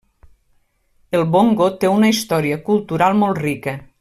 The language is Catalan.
El bongo té una història cultural molt rica.